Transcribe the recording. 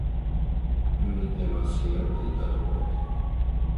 有什么我可以帮助你的吗？